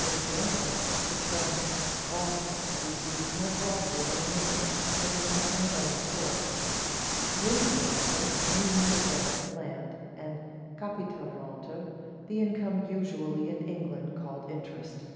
In German the term Rente is used more broadly than in English, as an income of any sort, Grundrente meaning the rent of land, and Capitalrente the income usually in England called interest.